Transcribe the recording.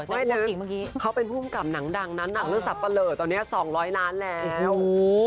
ไม่นึกเขาเป็นภูมิกับหนังดังนั้นหนังลูกศัพท์ประเหล่าตอนนี้๒๐๐น้านแล้ว